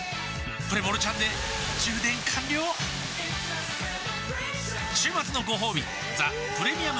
プレモルちゃんで充電完了週末のごほうび「ザ・プレミアム・モルツ」